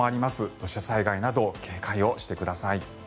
土砂災害など警戒をしてください。